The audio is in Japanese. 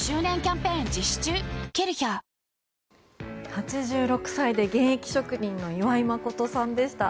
８６歳で現役職人の岩井仁さんでした。